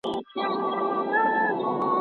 چارواکي له دې حقیقته خبر دي.